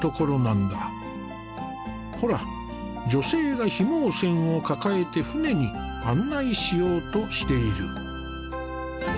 ほら女性が緋毛氈を抱えて舟に案内しようとしている。